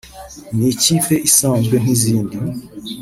ni ikipe isanzwe nk’izindi